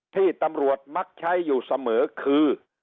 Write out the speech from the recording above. ที่ตำรวจมักใช้อยู่เสมอคือ